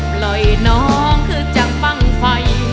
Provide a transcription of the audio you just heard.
ปล่อยน้องคือจังบ้างไฟ